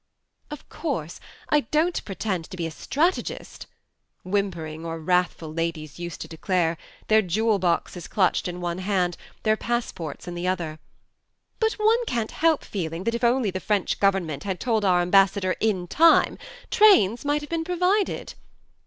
" Of course I don't pretend to be a strategist," whimpering or wrathful ladies used to declare, their jewel boxes clutched in one hand, their passports in the other, "but one can't help feeling that if only the French Government had told our Ambassador in time, trains might have been provided.